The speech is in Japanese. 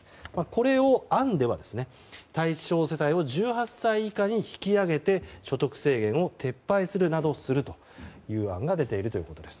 これを、案では対象世帯を１８歳以下に引き上げて所得制限を撤廃するなどするという案が出ているということです。